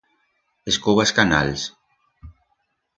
Escoba as canals.